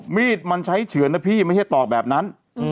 มีดมันใช้เฉือนนะพี่ไม่ใช่ตอกแบบนั้น